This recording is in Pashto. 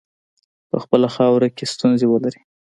په خپله خاوره کې ستونزي ولري.